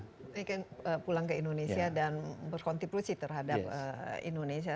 mereka pulang ke indonesia dan berkontribusi terhadap indonesia